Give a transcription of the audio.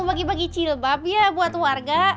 bagi bagi jilbab ya buat warga